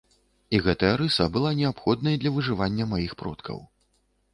І гэтая рыса была неабходнай для выжывання маіх продкаў!